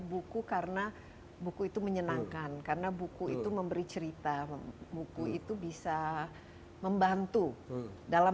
buku karena buku itu menyenangkan karena buku itu memberi cerita buku itu bisa membantu dalam